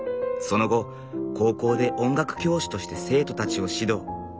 その後高校で音楽教師として生徒たちを指導。